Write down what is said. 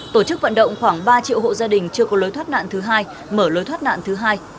tổ chức vận động khoảng ba triệu hộ gia đình chưa có lối thoát nạn thứ hai mở lối thoát nạn thứ hai